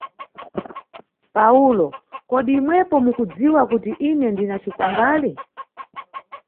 Pawulo Kodi imwepo mukudziwa kuti ine ndina cikwangwali?